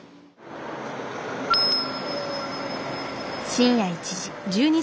深夜１時。